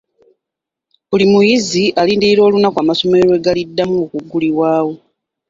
Buli muyizi alindirira olunaku amasomero lwe galiddamu okuggulawo.